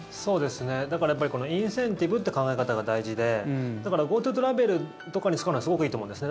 だからインセンティブって考え方が大事でだからＧｏＴｏトラベルとかに使うのはすごくいいと思うんですね。